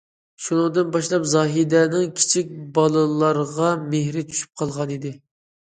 شۇنىڭدىن باشلاپ زاھىدەنىڭ كىچىك بالىلارغا مېھرى چۈشۈپ قالغانىدى.